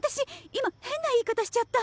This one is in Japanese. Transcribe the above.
今変な言い方しちゃった！